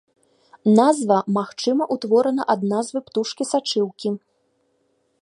Назва, магчыма, утворана ад назвы птушкі сачыўкі.